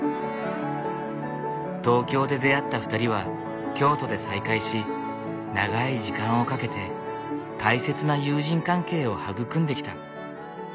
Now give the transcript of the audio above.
東京で出会った２人は京都で再会し長い時間をかけて大切な友人関係を育んできた。